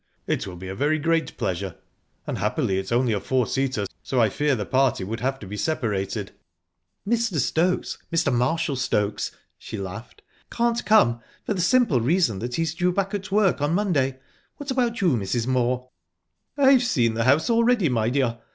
"It will be a very great pleasure. Unhappily, it's only a four seater, so I fear the party would have to be separated." "Mr. Stokes Mr. Marshall Stokes" she laughed "can't come, for the simple reason that he's due back to work on Monday. What about you, Mrs. Moor?" "I've seen the house already, my dear.